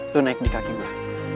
itu naik di kaki gue